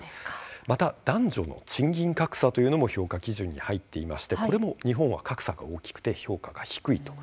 また、男女の賃金格差というのも評価基準に入っていましてこれも日本は格差が大きくて評価が低いと。